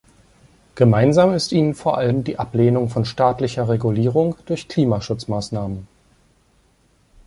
Gemeinsam ist ihnen vor allem die Ablehnung von staatlicher Regulierung durch Klimaschutzmaßnahmen.